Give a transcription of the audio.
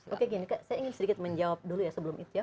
oke gini saya ingin sedikit menjawab dulu ya sebelum itu ya